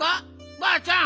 ばあちゃん！